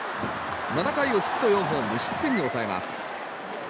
７回をヒット４本無失点に抑えます。